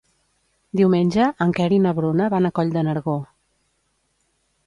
Diumenge en Quer i na Bruna van a Coll de Nargó.